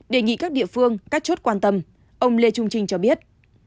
đề nghị các địa phương các chốt quan tâm ông lê trung trinh cho biết